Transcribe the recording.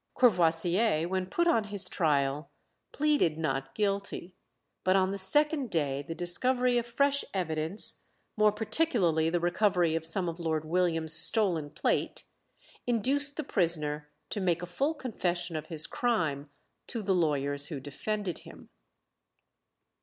Courvoisier, when put on his trial, pleaded not guilty; but on the second day the discovery of fresh evidence, more particularly the recovery of some of Lord William's stolen plate, induced the prisoner to make a full confession of his crime to the lawyers who defended him.